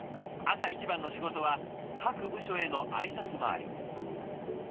朝一番の仕事は各部署への挨拶回り。